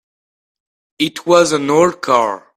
It was an old car.